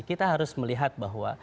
kita harus melihat bahwa